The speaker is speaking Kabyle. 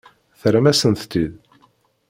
Terram-asent-tt-id?